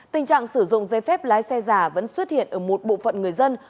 tình trạng sử dụng dây phép lái xe giả vẫn xuất hiện ở một bộ phận người dân